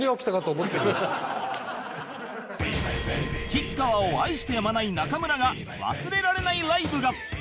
吉川を愛してやまない中村が忘れられないライブが